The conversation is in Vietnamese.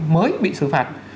mới bị xử phạt